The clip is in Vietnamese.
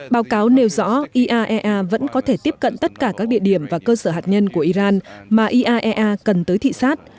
báo cáo nêu rõ iaea vẫn có thể tiếp cận tất cả các địa điểm và cơ sở hạt nhân của iran mà iaea cần tới thị xát